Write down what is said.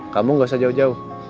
kamu gak usah jauh jauh